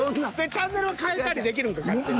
チャンネル替えたりできるんか勝手に。